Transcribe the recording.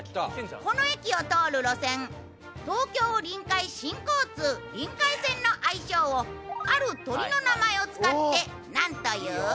この駅を通る路線東京臨海新交通臨海線の愛称をある鳥の名前を使ってなんという？